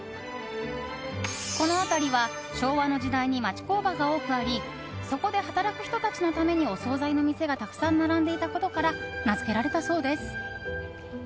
この辺りは昭和の時代に町工場が多くありそこで働く人たちのためにお総菜の店がたくさん並んでいたことから名づけられたそうです。